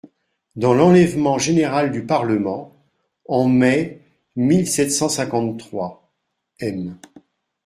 Dans l'enlèvement général du Parlement (en mai mille sept cent cinquante-trois), M.